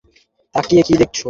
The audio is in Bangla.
তাকিয়ে কি দেখছো?